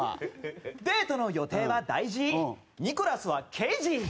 デートの予定は大事ニコラスはケイジ。